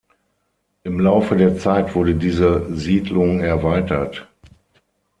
Im Laufe der Zeit wurde diese Siedlung erweitert.